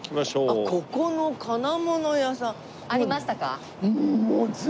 あっここの金物屋さん。ありましたか？